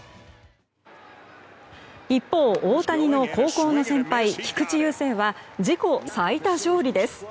一方、大谷の高校の先輩菊池雄星は自己最多勝利です。